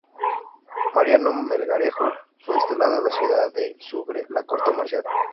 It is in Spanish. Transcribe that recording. Mariano Melgarejo, fue instalado en la ciudad de Sucre la Corte Marcial.